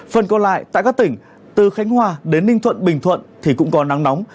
phần còn lại tại các tỉnh từ khánh hòa đến ninh thuận bình thuận thì cũng có nắng nóng